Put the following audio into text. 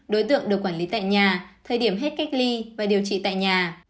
đối tượng được quản lý tại nhà thời điểm hết cách ly và điều trị tại nhà